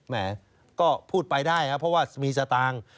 แหมก็พูดไปได้ครับเพราะว่ามีสตางค์